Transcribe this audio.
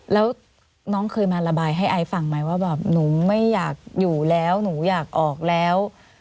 แล้วน้องเคยมาระบายให้ไอซ์ฟังไหมว่าแบบหนูไม่อยากอยู่แล้วหนูอยากออกแล้ว